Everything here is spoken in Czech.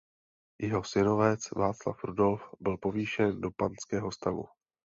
Jeho synovec Václav Rudolf byl povýšen do panského stavu.